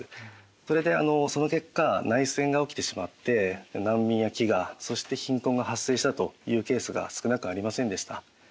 それでその結果内戦が起きてしまって難民や飢餓そして貧困が発生したというケースが少なくありませんでした。